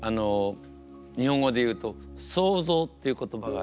日本語で言うと「創造」っていう言葉があります。